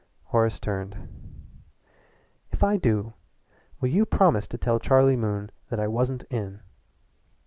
Horace turned. "If I do, will you promise to tell Charlie Moon that I wasn't in?"